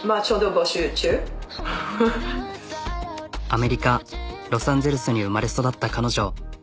アメリカロサンゼルスに生まれ育った彼女。